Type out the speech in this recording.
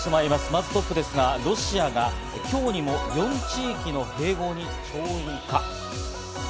まずトップですが、ロシアが今日にも４地域の併合に調印か？